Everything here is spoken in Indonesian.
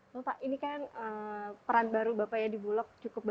bapak ini kan peran baru bapak ya di bulog cukup banyak